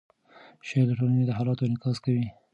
شعر د ټولنې د حالاتو انعکاس کوي.